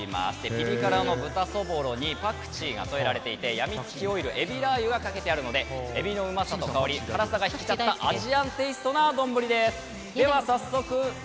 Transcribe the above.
ピリ辛の豚そぼろにパクチーが添えられていてやみつきオイル海老ラー油がかけてあるので辛さが引き立ったアジアンテイストなどんぶりです。